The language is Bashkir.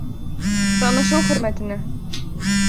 Танышыу хөрмәтенә.